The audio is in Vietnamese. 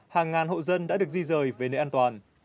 hàng ngàn hộ dân đã được di rời về nơi an toàn